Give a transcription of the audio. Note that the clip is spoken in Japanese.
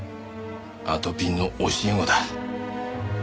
あとぴんの教え子だ。